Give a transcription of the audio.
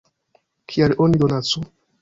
Kial oni donacu?